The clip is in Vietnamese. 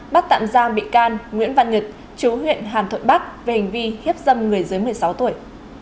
bắt tạm giam bị can nguyễn văn nhật chú huyện hàn thuận bắc về hành vi hiếp dâm người dưới một mươi sáu tuổi